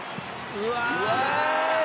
「うわ！」